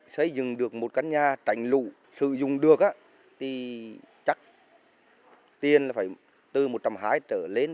xây dựng được một căn nhà trành lũ sử dụng được thì chắc tiền là phải từ một trăm hai mươi trở lên